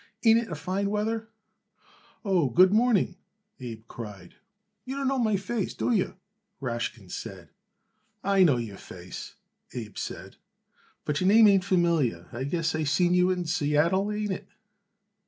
"Ain't it a fine weather?" "Oh, good morning," Abe cried. "You don't know my face, do you?" Rashkin said. "I know your face," Abe said, "but your name ain't familiar. I guess I seen you in Seattle, ain't it?"